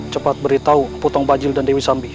cepat beritahu potong bajil dan dewi sambi